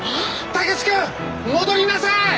武志君！戻りなさい！